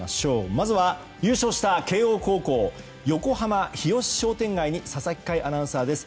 まずは優勝した慶応高校横浜・日吉商店街に佐々木快アナウンサーです。